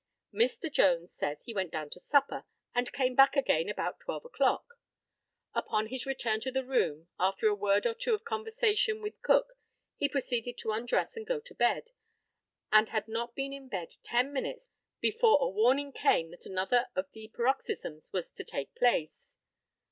Mr. Jones says he went down to supper, and came back again about twelve o'clock. Upon his return to the room, after a word or two of conversation with Cook, he proceeded to undress and go to bed, and had not been in bed ten minutes before a warning came that another of the paroxysms was to take place.